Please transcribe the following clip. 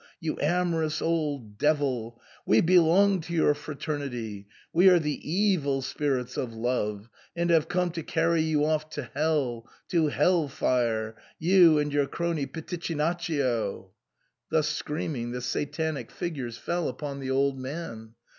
You amorous old devil ! We belong to your fraternity; we are the evil spirits of love, and have come to carry you off to hell — to hell fire — you and your crony Pitichinaccio." Thus screaming, the Satanic figures fell upon the old man.